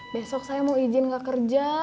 besok saya mau izin gak kerja